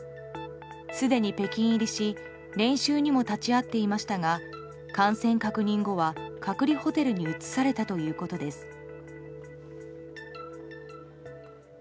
すでに北京入りし練習にも立ち会っていましたが感染確認後は隔離ホテルに移されたということです。